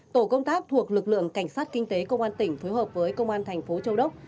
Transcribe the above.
tổ công tác thuộc lực lượng cảnh sát kinh tế công an tỉnh phối hợp với công an thành phố châu đốc